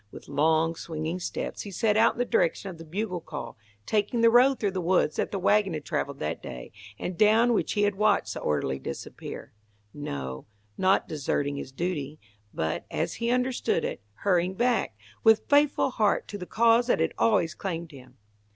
With long, swinging steps he set out in the direction of the bugle call, taking the road through the woods that the wagon had travelled that day, and down which he had watched the orderly disappear. No, not deserting his duty, but, as he understood it, hurrying back, with faithful heart to the cause that had always claimed him.